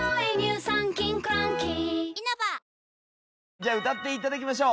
じゃあ歌って頂きましょう。